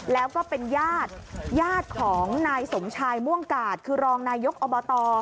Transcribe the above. แล้วก็เป็นญาติญาติของนายสมชายม่วงกาดคือรองนายกอบต